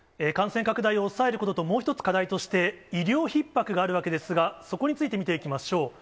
感染拡大を抑えることと、もう１つ課題として、医療ひっ迫があるわけですが、そこについて見ていきましょう。